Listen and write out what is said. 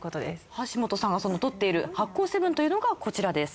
橋本さんがその摂っている発酵７というのがこちらです。